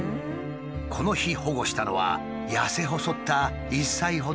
この日保護したのは痩せ細った１歳ほどの秋田犬。